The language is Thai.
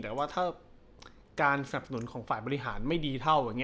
แต่ว่าถ้าการสนับสนุนของฝ่ายบริหารไม่ดีเท่าอย่างนี้